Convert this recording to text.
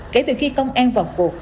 kể từ khi công an vọng cuộc